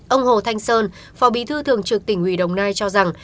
ông hồ thanh sơn phò bí thư thường trực tỉnh huy đồng nai cho rằng